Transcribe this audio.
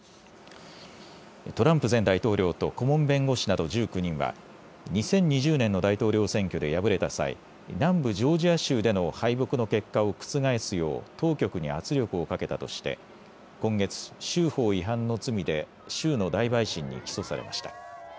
トランプ前大統領と顧問弁護士など１９人は２０２０年の大統領選挙で敗れた際、南部ジョージア州での敗北の結果を覆すよう当局に圧力をかけたとして今月、州法違反の罪で州の大陪審に起訴されました。